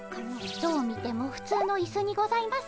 どう見ても普通のイスにございますが。